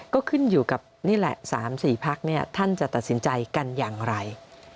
ก็ขึ้นอยู่กับนี่แหละ๓๔พักท่านจะตัดสินใจกันอย่างไร